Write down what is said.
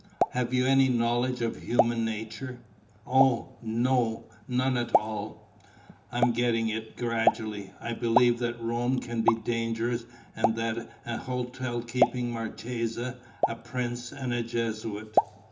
"Have you any knowledge of human nature?" "Oh, no, none at all!" "I'm getting it, gradually. I believe that Rome can be dangerous and that an hotel keeping marchesa, a prince and a Jesuit...."